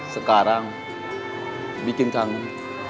sekarang bikin kangen